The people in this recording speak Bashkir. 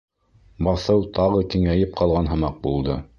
Баҫыу тағы киңәйеп ҡалған һымаҡ булды.